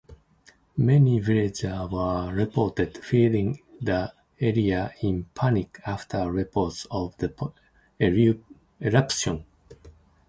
Many villagers were reported fleeing the area in panic after reports of the eruption.